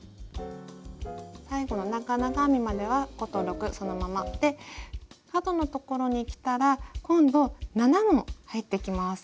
最後の長々編みまでは５と６そのままで角のところにきたら今度７も入ってきます。